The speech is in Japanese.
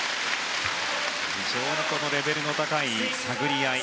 非常にレベルの高い探り合い。